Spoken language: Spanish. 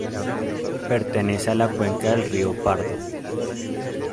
Pertenece a la cuenca del Río Pardo.